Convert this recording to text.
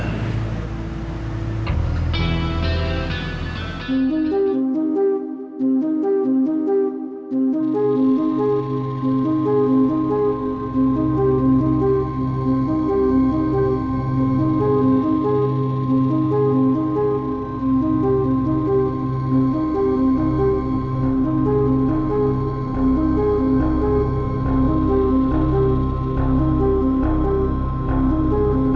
tapi mereka tidak percaya